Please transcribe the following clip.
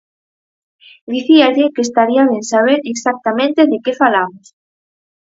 Dicíalle que estaría ben saber exactamente de que falamos.